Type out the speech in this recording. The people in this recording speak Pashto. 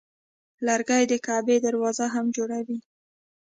لرګی د کعبې دروازه هم جوړوي.